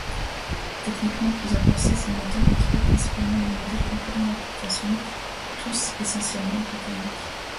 Techniquement plus avancés ces moteurs équipaient principalement les modèles concurrents d'importations, tous essentiellement britanniques.